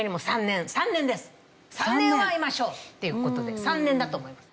３年はいましょうっていう事で３年だと思います。